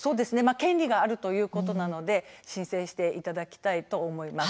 権利があるということなので申請していただきたいと思います。